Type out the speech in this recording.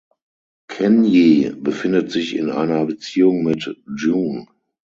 Kenji befindet sich in einer Beziehung mit Jun.